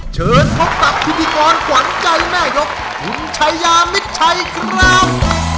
เชิญพบกับพิธีกรขวัญใจแม่ยกคุณชายามิดชัยครับ